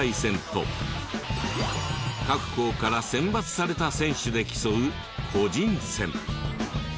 各校から選抜された選手で競う個人戦。